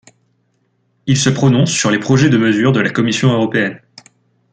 Il se prononce sur les projets de mesures.de la commission européenne.